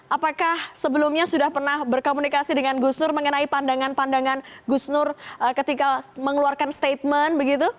apakah sebelumnya sudah pernah berkomunikasi dengan gus nur mengenai pandangan pandangan gus nur ketika mengeluarkan statement begitu